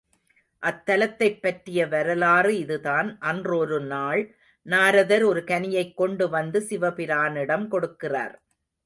அத்தலத்தைப் பற்றிய வரலாறு இதுதான் அன்றொரு நாள் நாரதர் ஒரு கனியைக் கொண்டு வந்து சிவபிரானிடம் கொடுக்கிறார்.